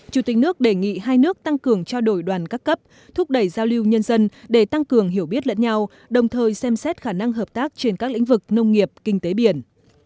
chủ tịch nước đề nghị hai nước tăng cường trao đổi đoàn các cấp thúc đẩy giao lưu nhân dân để tăng cường hiểu biết lẫn nhau đồng thời xem xét khả năng hợp tác trên các lĩnh vực nông nghiệp kinh tế biển